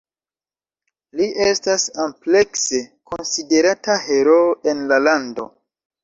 Li estas amplekse konsiderata heroo en la lando.